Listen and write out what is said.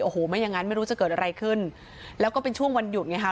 โอ้โหไม่อย่างนั้นไม่รู้จะเกิดอะไรขึ้นแล้วก็เป็นช่วงวันหยุดไงค่ะ